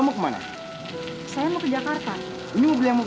terima kasih ya pak